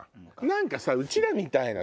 何かさうちらみたいな。